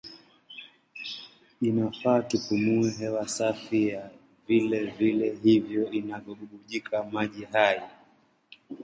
Inafaa tupumue hewa safi ya vilele hivyo vinavyobubujika maji hai.